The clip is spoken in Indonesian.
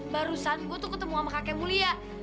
barusan gue tuh ketemu sama kakek mulia